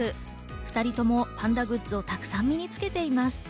２人ともパンダグッズをたくさん身につけています。